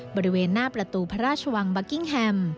บริเวณหน้าประตูพระราชวังบักกิ้งแฮม